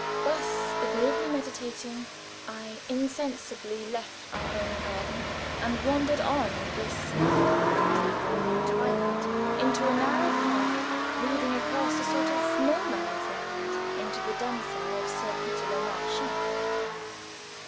Thus agreeably meditating, I insensibly left our own garden and wandered on in the now quickly falling twilight into a narrow path leading across a sort of No Man's Land into the demesne of Sir Peter Le Marchant.